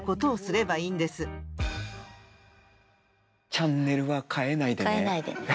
チャンネルは替えないでね。